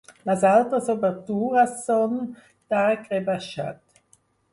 Les altres obertures són d’arc rebaixat.